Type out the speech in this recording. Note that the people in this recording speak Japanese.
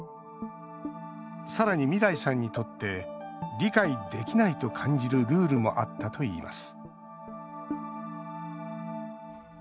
さらに、未來さんにとって理解できないと感じるルールもあったといいます